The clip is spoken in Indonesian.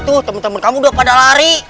tuh temen temen kamu udah pada lari